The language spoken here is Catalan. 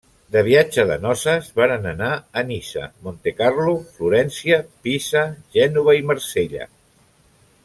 De viatge de noces varen anar a Niça, Montecarlo, Florència, Pisa, Gènova i Marsella.